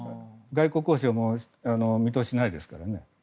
外交交渉も見通しがないです。